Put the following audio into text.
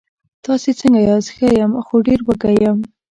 تاسې څنګه یاست؟ ښه یم، خو ډېر وږی یم.